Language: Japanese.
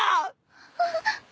あっ。